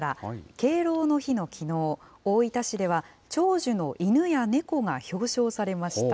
敬老の日のきのう、大分市では長寿の犬や猫が表彰されました。